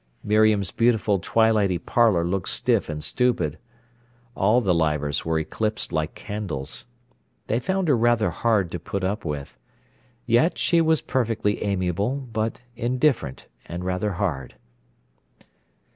Miriam's beautiful twilighty parlour looked stiff and stupid. All the Leivers were eclipsed like candles. They found her rather hard to put up with. Yet she was perfectly amiable, but indifferent, and rather hard.